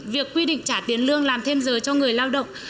việc quy định trả tiền lương làm thêm giờ cho người lao động